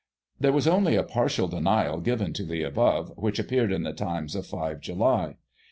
There was only a partial denial given to the above, which appeared in the Times of 5 July.